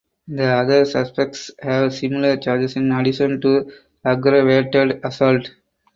The other suspects have similar charges in addition to aggravated assault.